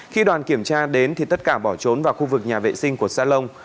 khi đoàn kiểm tra đến thì tất cả bỏ trốn vào khu vực nhà vệ sinh của salon